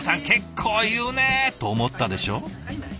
結構言うね！と思ったでしょ？